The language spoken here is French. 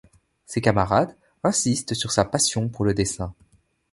Ses camarades insistent sur sa passion pour le dessin.